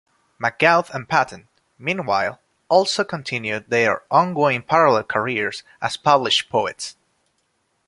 McGough and Patten, meanwhile, also continued their ongoing parallel careers as published poets.